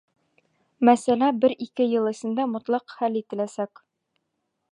Мәсьәлә бер-ике йыл эсендә мотлаҡ хәл ителәсәк.